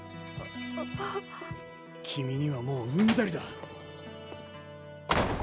君にはもううんざりだ！